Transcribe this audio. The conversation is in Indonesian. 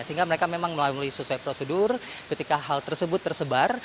sehingga mereka memang melalui sesuai prosedur ketika hal tersebut tersebar